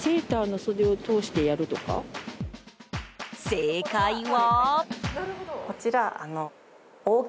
正解は。